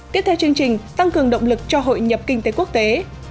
tiếp theo chương trình tăng cường động lực cho hội nhập kinh tế quốc tế